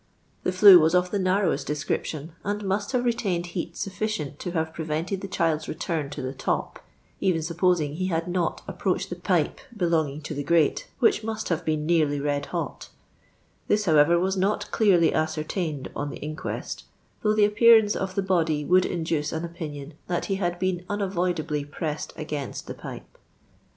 The flue was of the narrowest description, and must have retained heat sufficient to have prevented the child's return to the top, even supposing he had not appr«)a£hed the pipe belonging to the grate, which must have been nearly red hot ; this, how ever, was uot clearly ascertained on the inquest, tli»ugh the appearance of the body would induce i mi opinion that he had been unavoidably pressed I against the pipe.